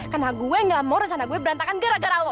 karena gue nggak mau rencana gue berantakan gara gara lo